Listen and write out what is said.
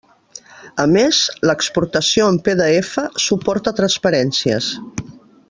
A més, l'exportació en PDF suporta transparències.